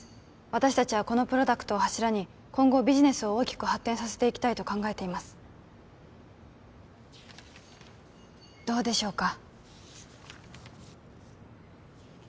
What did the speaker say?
私達はこのプロダクトを柱に今後ビジネスを大きく発展させていきたいと考えていますどうでしょうか？